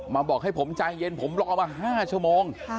บอกให้ผมใจเย็นผมรอมา๕ชั่วโมง